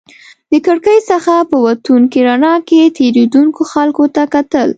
د کړکۍ څخه په وتونکې رڼا کې تېرېدونکو خلکو ته کتل.